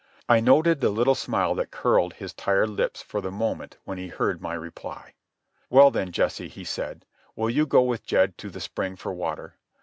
I noted the little smile that curled his tired lips for the moment when he heard my reply. "Well, then, Jesse," he said, "will you go with Jed to the spring for water?"